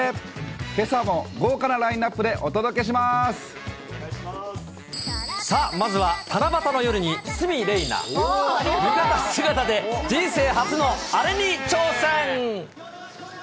けさも豪華なラインナップでさあ、まずは七夕の夜に鷲見玲奈、浴衣姿で人生初のあれに挑戦。